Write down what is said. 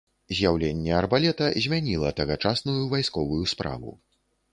З'яўленне арбалета змяніла тагачасную вайсковую справу.